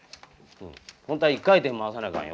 本当は一回転回さないかんよ